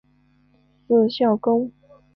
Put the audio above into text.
字孝公。